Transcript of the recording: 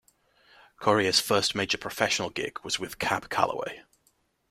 Corea's first major professional gig was with Cab Calloway.